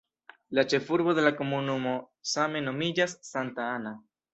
La ĉefurbo de la komunumo same nomiĝas "Santa Ana".